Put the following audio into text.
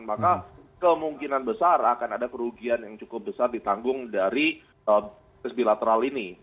maka kemungkinan besar akan ada kerugian yang cukup besar ditanggung dari bilateral ini